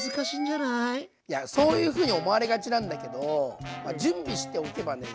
いやそういうふうに思われがちなんだけど準備しておけばね